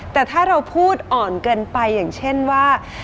แต่ถ้าเราพูดอ่อนเกินไปอย่างเช่นว่า